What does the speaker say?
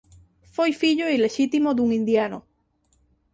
Foi fillo ilexítimo dun indiano.